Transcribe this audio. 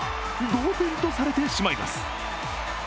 同点とされてしまいます。